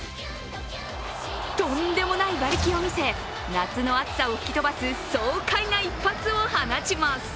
とんでもない馬力を見せ、夏の暑さを吹き飛ばす爽快な一発を放ちます。